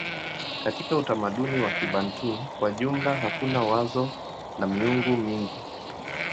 Katika utamaduni wa Kibantu kwa jumla hakuna wazo la miungu mingi.